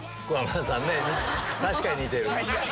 確かに似てる。